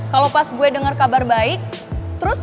kalo pas gue denger kabar baik gue bisa ngelakuin dia